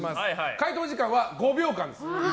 解答時間は５秒間です。